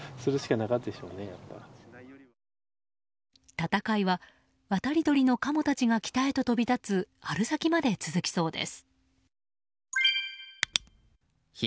戦いは、渡り鳥のカモたちが北へと飛び立つ春先まで続きそうです。